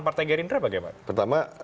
partai gerindra bagaimana pertama